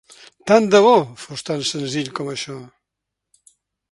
Tant de bo fos tan senzill com això.